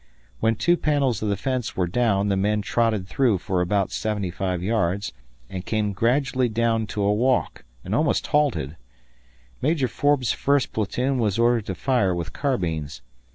When two panels of the fence were down the men trotted through for about 75 yards, and came gradually down to a walk, and almost halted. Major Forbes' first platoon was ordered to fire with carbines.